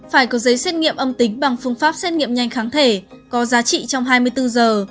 phải có giấy xét nghiệm âm tính bằng phương pháp xét nghiệm nhanh kháng thể có giá trị trong hai mươi bốn giờ